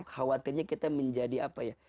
khawatirnya kita menjadi apa ya